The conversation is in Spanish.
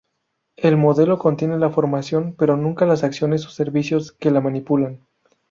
El modelo contiene la información, pero nunca las acciones o servicios que la manipulan.